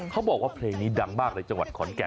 เขาบอกว่าเพลงนี้ดังมากในจังหวัดขอนแก่น